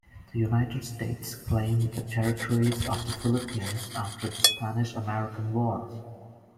The United States claimed the territories of the Philippines after the Spanish-American War.